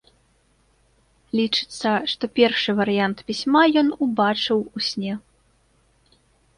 Лічыцца, што першы варыянт пісьма ён убачыў у сне.